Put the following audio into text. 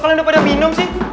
kalau udah pada minum sih